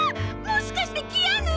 もしかしてキアヌ？